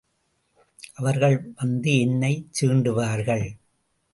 அவர்கள் வந்து என்னைச் சீண்டுவார்கள்.